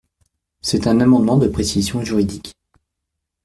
C’est un amendement de précision juridique.